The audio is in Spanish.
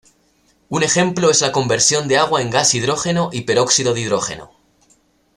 Un ejemplo es la conversión de agua en gas hidrógeno y peróxido de hidrógeno.